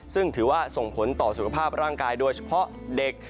ซึ่งถือว่าส่งผลต่อสุขภาพร่างกายโดยเฉพาะเด็ก